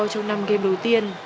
trong năm game đầu tiên